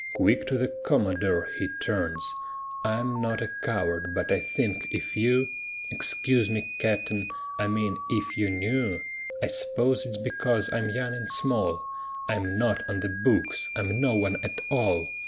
Quick to the Commodore he turns: "I'm not a coward, but I think if you Excuse me, Capt'n, I mean if you knew (I s'pose it's because I'm young and small) I'm not on the books! I'm no one at all!